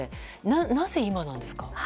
なぜ今なんですか？